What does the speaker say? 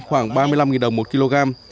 khoảng ba mươi năm nghìn đồng một kg